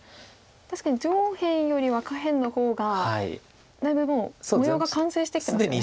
確かに上辺よりは下辺の方がだいぶもう模様が完成してきてますよね。